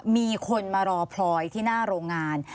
มีคนมารอพลอยที่หน้าโรงงาน